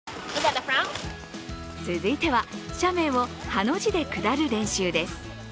続いては、斜面をハの字で下る練習です。